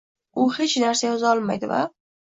U hech narsa yoza olmaydi va